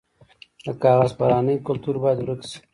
د کاغذ پرانۍ کلتور باید ورک شي.